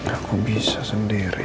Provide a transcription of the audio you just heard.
aku bisa sendiri